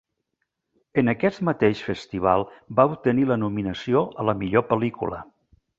En aquest mateix festival va obtenir la nominació a la millor pel·lícula.